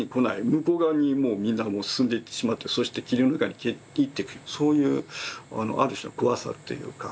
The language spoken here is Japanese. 向こう側にもうみんなもう進んでいってしまってそして霧の中に消えていっていくそういうある種の怖さというか。